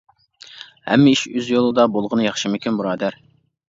ھەممە ئىش ئۆز يولىدا بولغىنى ياخشىمىكىن بۇرادەر!